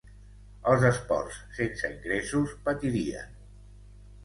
Els esports sense ingressos patirien.